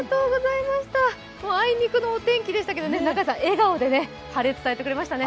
あいにくのお天気でしたけど中屋さん、笑顔で、晴れ、伝えてくれましたね。